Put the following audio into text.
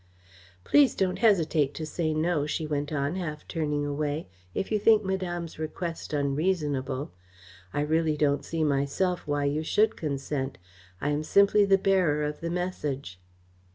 "Please don't hesitate to say so," she went on, half turning away, "if you think Madame's request unreasonable. I really don't see myself why you should consent. I am simply the bearer of a message."